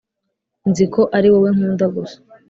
nzi ko ari wowe nkunda gusa